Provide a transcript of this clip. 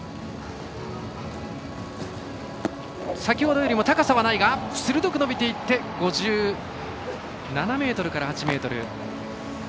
先ほどよりは高さはないが鋭く伸びていって５７ｍから５８ｍ。